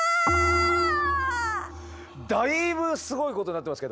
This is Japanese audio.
だいぶすごいことになってますけど。